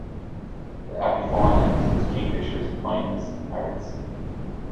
The avifauna includes kingfishers, mynas and parrots.